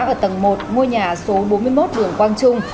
ở tầng một ngôi nhà số bốn mươi một đường quang trung